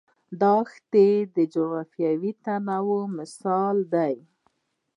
دا دښتې د جغرافیوي تنوع مثال دی.